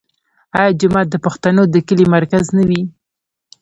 آیا جومات د پښتنو د کلي مرکز نه وي؟